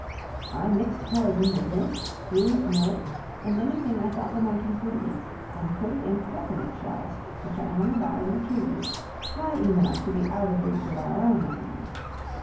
"I mixed poison with milk, bruised millet, and anything I thought the monkeys would eat, and put it in cocoanut shells, which I hung about in the trees, high enough to be out of reach of our own animals.